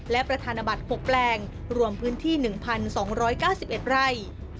และประธานบัติหกแปลงรวมพื้นที่หนึ่งพันสองร้อยเก้าสิบเอ็ดไร่